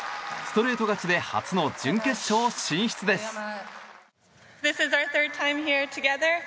ストレート勝ちで初の準決勝進出です。